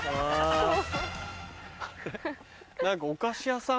何かお菓子屋さん？